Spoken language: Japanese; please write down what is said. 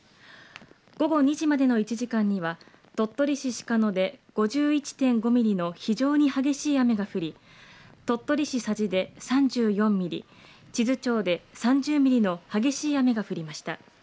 午後２時までの１時間には、鳥取市鹿野で５１．５ミリの非常に激しい雨が降り、鳥取市佐治で３４ミリ、智頭町で３０ミリの激しい雨が降りました。